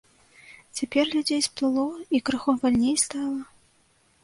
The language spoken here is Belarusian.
Цяпер людзей сплыло, і крыху вальней стала.